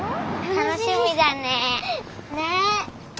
楽しみだね。ね。